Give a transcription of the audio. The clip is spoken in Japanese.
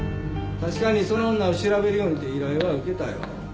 確かにその女を調べるようにって依頼は受けたよ。